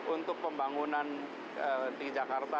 untuk pembangunan di jakarta